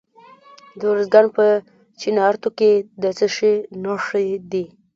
د ارزګان په چنارتو کې د څه شي نښې دي؟